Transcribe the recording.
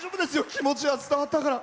気持ちは伝わったから。